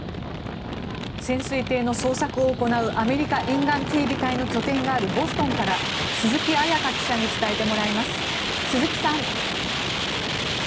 潜水艇の捜索を行うアメリカ沿岸警備隊の拠点があるボストンから鈴木彩加記者に伝えてもらいます。